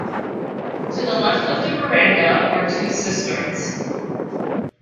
To the left of the veranda are two cisterns.